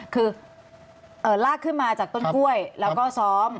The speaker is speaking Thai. คือลากขึ้นมาจากต้นกล้วยแล้วก็ซ้อม